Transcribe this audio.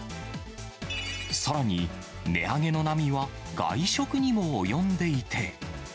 さらに値上げの波は外食にも及んでいて。